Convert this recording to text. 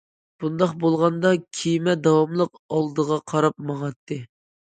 بۇنداق بولغاندا كېمە داۋاملىق ئالدىغا قاراپ ماڭاتتى.